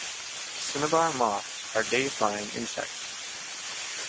Cinnabar moths are day-flying insects.